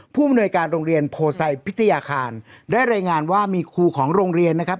ผู้อำนวยการโรงเรียนโพไซพิทยาคารได้รายงานว่ามีครูของโรงเรียนนะครับ